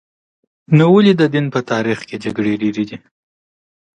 نو ولې د دین په تاریخ کې جګړې ډېرې دي؟